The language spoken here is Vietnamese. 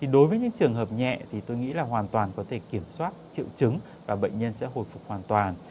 đối với những trường hợp nhẹ thì tôi nghĩ là hoàn toàn có thể kiểm soát triệu chứng và bệnh nhân sẽ hồi phục hoàn toàn